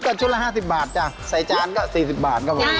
ก็ชุดละ๕๐บาทจ้ะใส่จานก็๔๐บาทครับผม